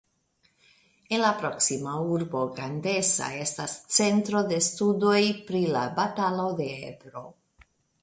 En la proksima urbo Gandesa estas Centro de Studoj pri la Batalo de Ebro.